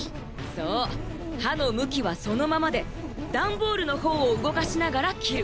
そうはのむきはそのままでダンボールのほうをうごかしながらきる。